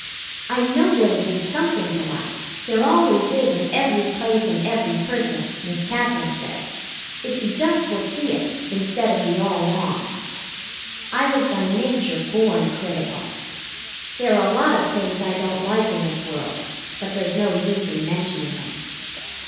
I know there will be something to like, there always is in every place and every person, Miss Katherine says, if you just will see it instead of the all wrong. I was by nature born critical. There are a lot of things I don't like in this world, but there's no use in mentioning them.